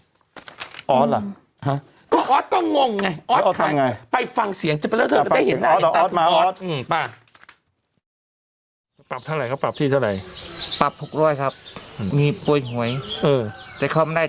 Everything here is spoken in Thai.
อ๊อตล่ะฮะก็อ๊อตต้องงงไงอ๊อตต้องยังไงไปฟังเสียงจะไปแล้วเธอจะได้เห็นได้